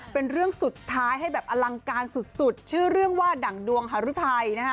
เป็นเรื่องสุดท้ายให้แบบอลังการสุดชื่อเรื่องว่าดั่งดวงฮารุทัยนะฮะ